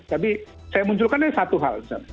tapi saya munculkan ini satu hal